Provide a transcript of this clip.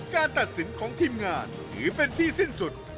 ตัดสินของทีมงานถือเป็นที่สิ้นสุด